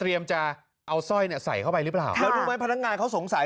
เตรียมจะเอาสร้อยเนี่ยใส่เข้าไปหรือเปล่าค่ะเพราะว่าพนักงานเขาสงสัย